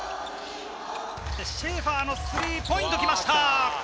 シェーファーのスリーポイント来ました。